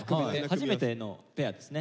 初めてのペアですね。